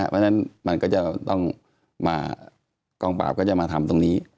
เพราะฉะนั้นกองปราบก็จะมาทำตรงนี้